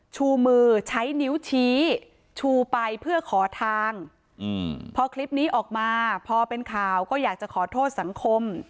ชูมือใช้นิ้วชี้ชูไปเพื่อขอทางพอคลิปนี้ออกมาพอเป็นข่าวก็อยากจะขอโทษสังคม